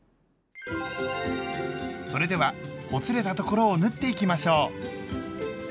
それではほつれたところを縫っていきましょう！